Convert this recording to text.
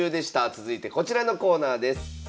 続いてこちらのコーナーです。